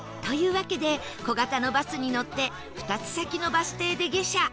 わけで小型のバスに乗って２つ先のバス停で下車